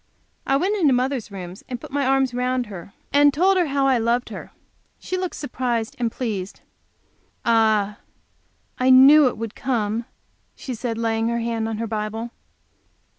I went into mother's room and put my arms round her and told her how I loved her. She looked surprised and pleased. "Ah, I knew it would come!" she said, laying her hand on her Bible.